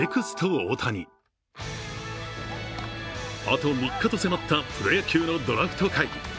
あと３日と迫った、プロ野球のドラフト会議。